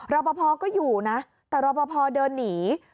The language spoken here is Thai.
รอปภก็อยู่นะแต่รอปภเดินหนี